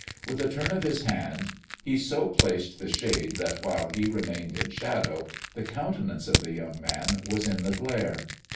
With a turn of his hand he so placed the shade that while he remained in shadow the countenance of the young man was in the glare.